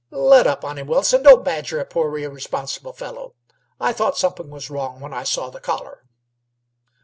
"Let up on him, Wilson. Don't badger a poor irresponsible fellow. I thought something was wrong when I saw the collar."